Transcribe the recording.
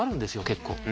結構。